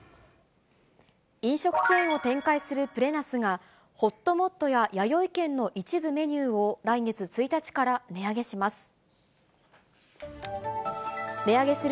飲食チェーンを展開するプレナスが、ほっともっとややよい軒の一部メニューを、来月１日から値上げします。